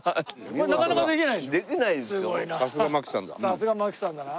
さすが槙さんだな。